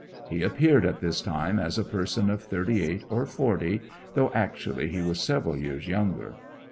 He appeared at this time as a person of thirty eight or forty, though actually he was several years younger.